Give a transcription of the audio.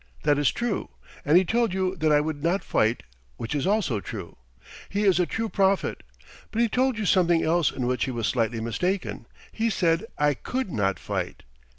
That is true. And he told you that I would not fight, which is also true. He is a true prophet. But he told you something else in which he was slightly mistaken. He said I could not fight.